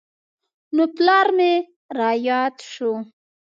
نو پلار به مې راياد سو.